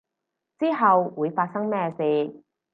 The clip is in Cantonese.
之後會發生咩事